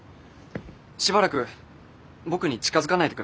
しばらく僕に近づかないでください。